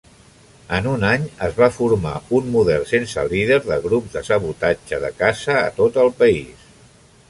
En un any, es va formar un model sense líder de grups de sabotatge de caça a tot el país.